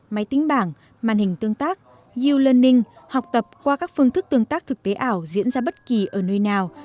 máy tính bảng màn hình tương tác yeu learning học tập qua các phương thức tương tác thực tế ảo diễn ra bất kỳ ở nơi nào